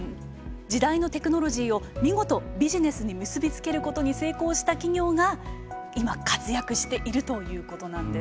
時代のテクノロジーを見事ビジネスに結びつけることに成功した企業が今活躍しているということなんです。